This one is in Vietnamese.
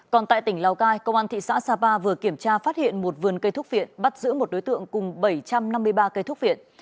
còn tại tỉnh lào cai công an thị xã sapa vừa kiểm tra phát hiện một vườn cây thúc viện bắt giữ một đối tượng cùng bảy trăm năm mươi ba cây thúc viện